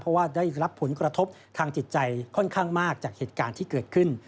เพราะว่าได้รับผลกระทบทางจิตใจค่อนข้างมากจากเหตุการณ์ที่เกิดขึ้น